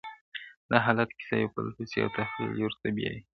دا حالت کيسه يو فلسفي او تخيلي لور ته بيايي,